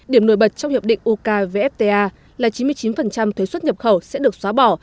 điểm nổi bật trong hiệp định ukvfta là chín mươi chín thuế xuất nhập khẩu sẽ được xóa bỏ